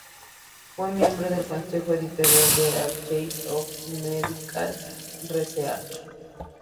Fue miembro del consejo editorial de "Archives of Medical Research".